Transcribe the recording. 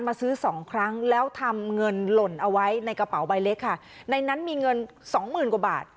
ซื้อสองครั้งแล้วทำเงินหล่นเอาไว้ในกระเป๋าใบเล็กค่ะในนั้นมีเงินสองหมื่นกว่าบาท